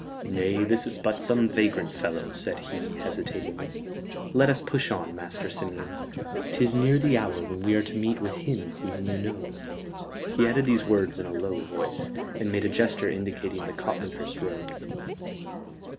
"Nay, this is but some vagrant fellow," said he, hesitatingly. "Let us push on, Master Simeon; 'tis near the hour when we are to meet with him whom you know." He added these words in a low voice, and made a gesture indicating the Copmanhurst road.